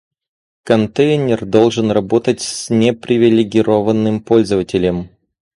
Контейнер должен работать с непривилегированным пользователем